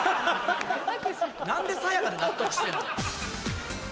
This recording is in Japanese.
何でさや香で納得してんの？